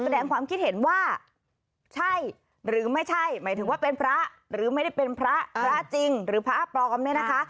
แสดงความคิดเห็นว่าใช่หรือไม่ใช่หมายถึงว่าเป็นพระหรือไม่ได้เป็นพระพระจริงหรือพระปลอมเนี่ยนะคะ